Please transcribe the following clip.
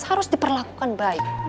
harus diperlakukan baik